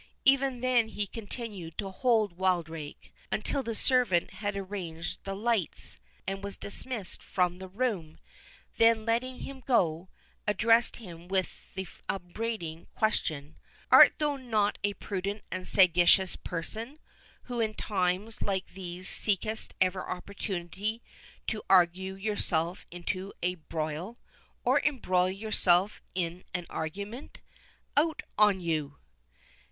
Even then he continued to hold Wildrake, until the servant had arranged the lights, and was dismissed from the room; then letting him go, addressed him with the upbraiding question, "Art thou not a prudent and sagacious person, who in times like these seek'st every opportunity to argue yourself into a broil, or embroil yourself in an argument? Out on you!"